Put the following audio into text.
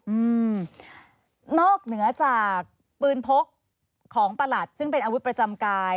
อืมนอกเหนือจากปืนพกของประหลัดซึ่งเป็นอาวุธประจำกาย